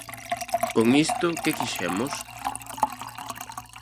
Con isto ¿que quixemos?